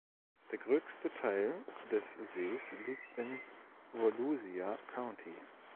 Der größte Teil des Sees liegt in Volusia County.